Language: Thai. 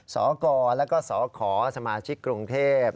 สกแล้วก็สขสมาชิกกรุงเทพ